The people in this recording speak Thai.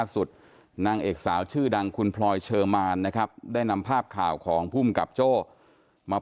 สุดนางเอกสาวชื่อดังคุณพลอยเชอร์มานนะครับได้นำภาพข่าวของภูมิกับโจ้มา